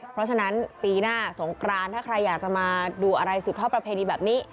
เพราะฉะนั้นปีหน้าสงกรานถ้าใครอยากจะมาดูอะไรสืบทอดประเพณีแบบนี้